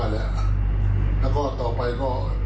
แล้วก็ต่อไปก็